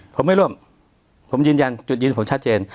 ผมไม่ร่วมผมยืนยันจุดยืนผมชัดเจน